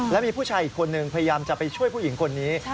แล้วมีผู้ชายอีกคนนึงพยายามจะไปช่วยผู้หญิงคนนี้